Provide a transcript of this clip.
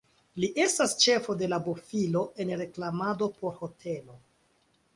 Li estas ĉefo de la bofilo en reklamado por hotelo.